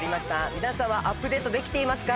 皆さんはアップデートできていますか？